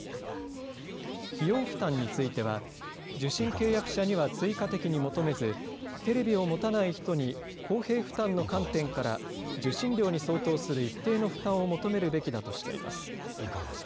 費用負担については受信契約者には追加的に求めずテレビを持たない人に公平負担の観点から受信料に相当する一定の負担を求めるべきだとしています。